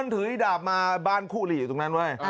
อ๋อถือดาบมาบ้านคู่หลี่อยู่ตรงนั้นไว้